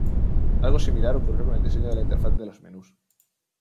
Algo similar ocurrió con el diseño de la interfaz de los menús.